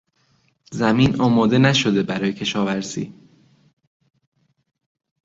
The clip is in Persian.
زمین آماده نشده برای کشاورزی